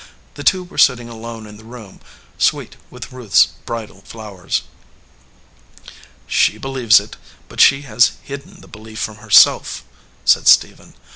The two were sitting alone in the room sweet with Ruth s bridal flowers. "She believes it, but she has hidden the belief from herself," said Stephen.